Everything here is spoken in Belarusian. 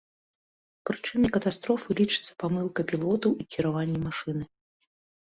Прычынай катастрофы лічыцца памылка пілотаў у кіраванні машынай.